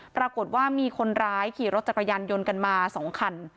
ปรากฏว่ามีคนร้ายขี่รถจักรยานยนต์กันมา๒คัน